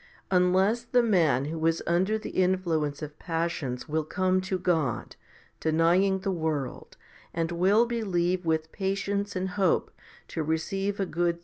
Unless the man who is under the influence of passions will come to God, denying the world, and will believe with patience and hope to receive a good 1 Matt.